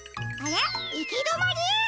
いきどまり？